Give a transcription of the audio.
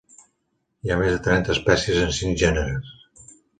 Hi ha més de trenta espècies en cinc gèneres.